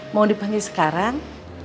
mau dipanggil sekarang